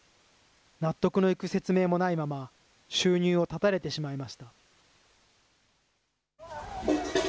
納得のいく説明もないまま、収入を断たれてしまいました。